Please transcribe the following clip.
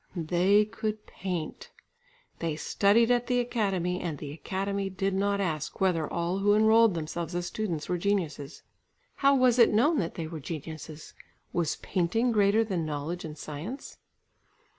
They could paint. They studied at the Academy, and the Academy did not ask whether all who enrolled themselves as students were geniuses. How was it known that they were geniuses? Was painting greater than knowledge and science?